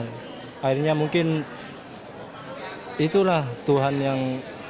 akhirnya mungkin itulah tuhan yang